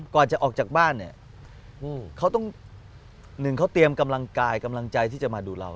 ก่อนจะออกจากบ้านเนี่ยเขาต้องหนึ่งเขาเตรียมกำลังกายกำลังใจที่จะมาดูเรา